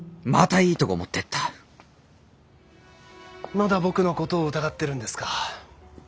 まだ僕のことを疑ってるんですか。